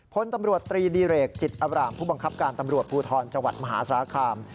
พลตำรวจตรีดิเรกจิตอำรามผู้บังคับการตำรวจภูทรจังหวัดมหาสารคาม